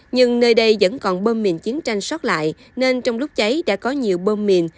nhưng nơi đây vẫn còn bơm mìn chiến tranh sót lại nên trong lúc cháy đã có nhiều bơm mìn